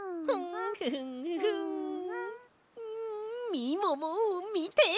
みももみて！